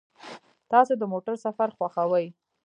تاسو د موټر سفر خوښوئ؟